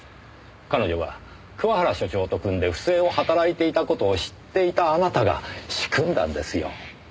彼女が桑原所長と組んで不正を働いていた事を知っていたあなたが仕組んだんですよ。